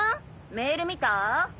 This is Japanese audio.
メール見た？